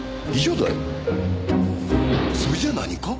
それじゃあ何か？